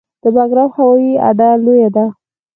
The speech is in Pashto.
د بګرام هوایي اډه لویه ده